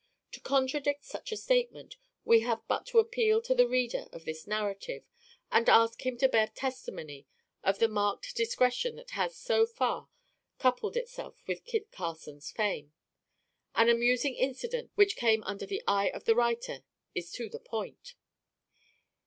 To contradict such a statement, we have but to appeal to the reader of this narrative, and ask him to bear testimony of the marked discretion that has so far coupled itself with Kit Carson's fame. An amusing incident which came under the eye of the writer is to the point.